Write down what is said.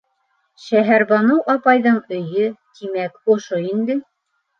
Шәһәрбаныу апайҙың өйө, тимәк, ошо инде?